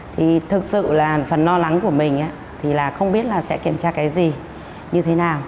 thì thực sự là phần lo lắng của mình thì là không biết là sẽ kiểm tra cái gì như thế nào